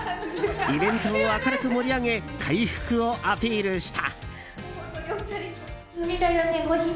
イベントを明るく盛り上げ回復をアピールした。